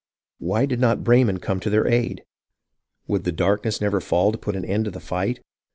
Why did not Breyman come to their aid ? Would the darkness never fall to put an end to the fight